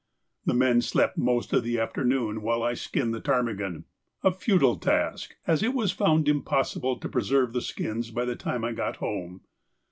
The men slept most of the afternoon while I skinned the ptarmigan, a futile task, as it was found impossible to preserve the skins by the time I got home.